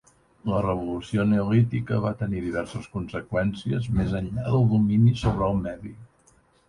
La revolució neolítica va tenir diverses conseqüències més enllà del domini sobre el medi.